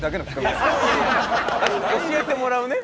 教えてもらうね。